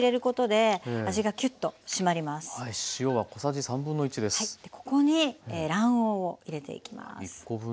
でここに卵黄を入れていきます。